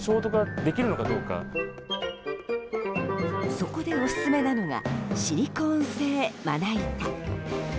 そこでオススメなのがシリコーン製まな板。